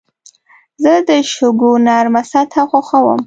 زه د شګو نرمه سطحه خوښوم.